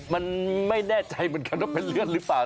มันไม่แน่ใจเหมือนกันว่าเป็นเลือดหรือเปล่า